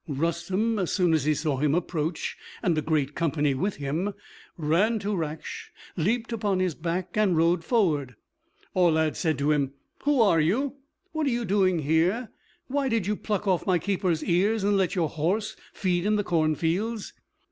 Rustem, as soon as he saw him approach, and a great company with him, ran to Raksh, leaped on his back, and rode forward. Aulad said to him, "Who are you? What are you doing here? Why did you pluck off my keeper's ears and let your horse feed in the cornfields?"